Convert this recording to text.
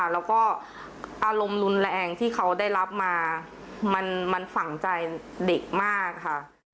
แล้วก็อารมณ์รุนแรงที่เขาได้รับมามันฝังใจเด็กมากค่ะ